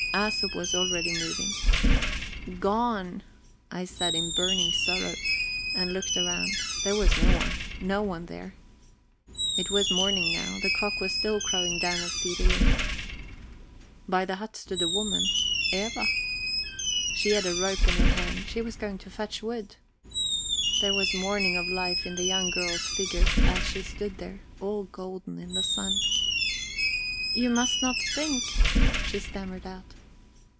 Æsop was already moving. "Gone!" I said in burning sorrow, and looked round. There was no one no one there. It was morning now; the cock was still crowing down at Sirilund. By the hut stood a woman Eva. She had a rope in her hand; she was going to fetch wood. There was the morning of life in the young girl's figure as she stood there, all golden in the sun. "You must not think..." she stammered out.